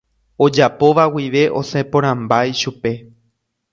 Ojapóva guive osẽporãmba ichupe.